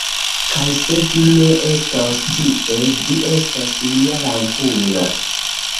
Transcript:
Kaj se vi ne estos tie, vi estos mia lampulo.